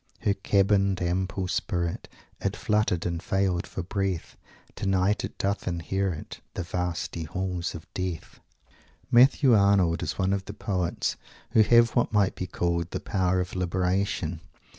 Her cabined ample spirit It fluttered and failed for breath. Tonight it doth inherit The vasty halls of death." Matthew Arnold is one of the poets who have what might be called "the power of Liberation."